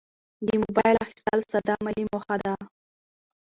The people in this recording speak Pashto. د موبایل اخیستل ساده مالي موخه ده.